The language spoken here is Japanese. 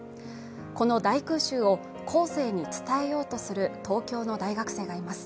この大空襲を後世に伝えようとする東京の大学生がいます